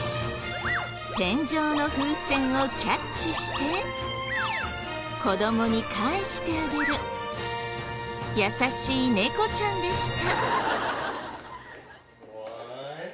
天井の風船をキャッチして子供に返してあげる優しい猫ちゃんでした。